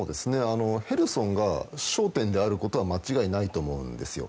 ヘルソンが焦点であることは間違いないと思うんですよ。